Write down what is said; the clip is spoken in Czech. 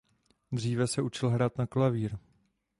Dříve se učil hrát na klavír.